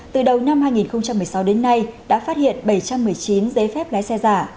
từ đầu năm hai nghìn một mươi sáu đến nay đã phát hiện bảy trăm một mươi chín giấy phép lái xe giả